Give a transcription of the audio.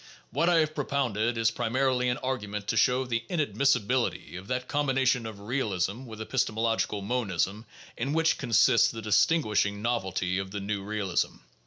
What I have propounded is primarily an argument to show the inadmissibil ity of that combination of realism with epistemological monism in which consists the distinguishing novelty of the "new" realism.